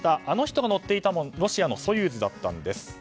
あの人が乗っていたのもロシアの「ソユーズ」だったんです。